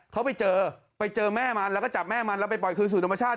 เขาไปเจอไปเจอแม่มันแล้วก็จับแม่มันแล้วไปปล่อยคืนสู่ธรรมชาติ